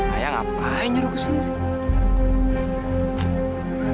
ayah ngapain nyuruh ke sini